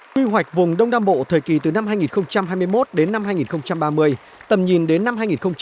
quy hoạch vùng đông nam bộ thời kỳ từ năm hai nghìn hai mươi một đến năm hai nghìn ba mươi tầm nhìn đến năm hai nghìn năm mươi